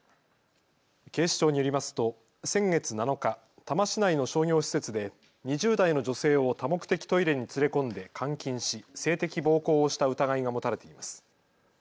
警視庁によりますと先月７日、多摩市内の商業施設で２０代の女性を多目的トイレに連れ込んで監禁し性的暴行をした疑いが持たれています。